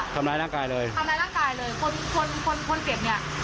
กินเก้าณดั่งนี้จริงหรือจริงนะ